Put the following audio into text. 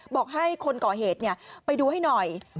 บอกให้คนก่อเหตุไปดูให้หน่อย